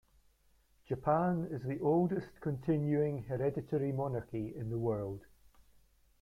Japan is the oldest continuing hereditary monarchy in the world.